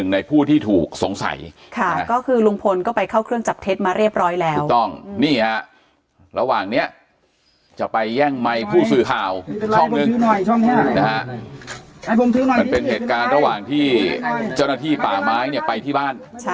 มันเป็นเหตุการณ์ระหว่างที่เจ้าหน้าที่ป่าไม้เนี่ยไปที่บ้าน